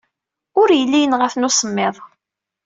Ur yelli yenɣa-ten usemmiḍ.